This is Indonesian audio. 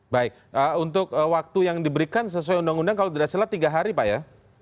baik untuk waktu yang diberikan sesuai undang undang kalau tidak salah tiga hari pak ya